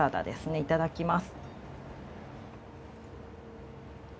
いただきます。